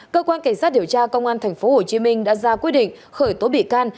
cơ quan cảnh sát điều tra công an tp hcm đã ra quyết định khởi tố bị can